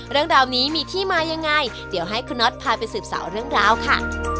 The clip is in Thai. เรื่องราวนี้มีที่มายังไงเดี๋ยวให้คุณน็อตพาไปสืบสาวเรื่องราวค่ะ